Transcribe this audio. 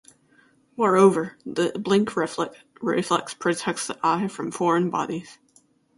Moreover, the blink reflex protects the eye from foreign bodies.